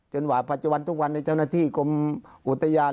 จนกว่าปัจจุวันทุกวันในเจ้าหน้าที่อุตยาน